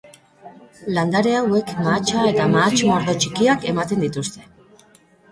Landare hauek mahatsa eta mahats-mordo txikiak ematen dituzte.